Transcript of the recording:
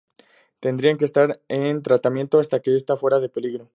Tendrá que estar en tratamiento hasta que este fuera de peligro.